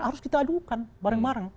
harus kita adukan bareng bareng